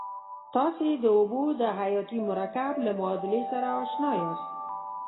تاسې د اوبو د حیاتي مرکب له معادلې سره آشنا یاست.